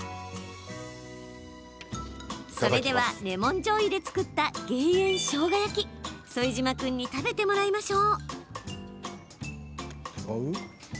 それではレモンじょうゆで作った減塩しょうが焼き副島君に食べてもらいましょう。